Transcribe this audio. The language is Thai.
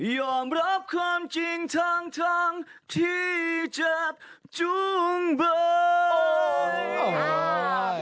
ยอมรับความจริงทั้งทั้งที่จะจุ้งเบย